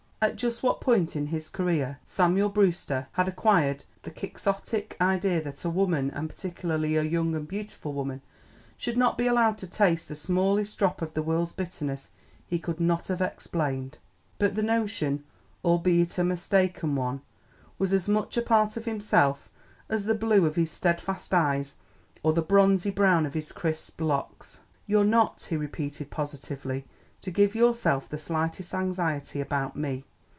At just what point in his career Samuel Brewster had acquired the Quixotic idea that a woman, and particularly a young and beautiful woman, should not be allowed to taste the smallest drop of the world's bitterness he could not have explained. But the notion, albeit a mistaken one, was as much a part of himself as the blue of his steadfast eyes or the bronzy brown of his crisp locks. "You're not," he repeated positively, "to give yourself the slightest anxiety about me.